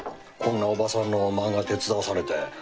こんなおばさんの漫画手伝わされて。